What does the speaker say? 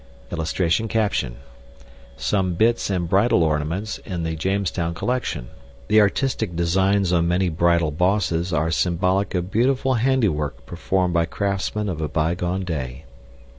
[Illustration: SOME BITS AND BRIDLE ORNAMENTS IN THE JAMESTOWN COLLECTION. THE ARTISTIC DESIGNS ON MANY BRIDLE BOSSES ARE SYMBOLIC OF BEAUTIFUL HANDIWORK PERFORMED BY CRAFTSMEN OF A BYGONE DAY.